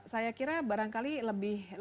saya kira barangkali lebih